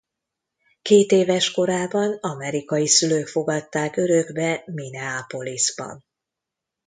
Kétéves korában amerikai szülők fogadták örökbe Minneapolisban.